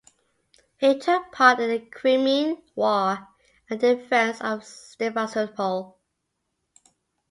He took part in the Crimean War and in the defense of Sevastopol.